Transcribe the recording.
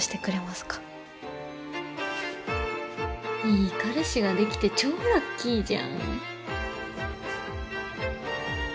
いい彼氏ができて超ラッキーじゃん。